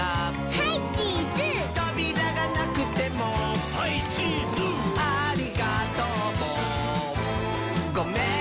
「ハイチーズ」「とびらがなくても」「ハイチーズ」「ありがとうもごめんねも」